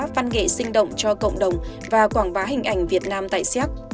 văn nghệ sinh động cho cộng đồng và quảng bá hình ảnh việt nam tại xéc